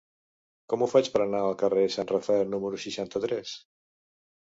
Com ho faig per anar al carrer de Sant Rafael número seixanta-tres?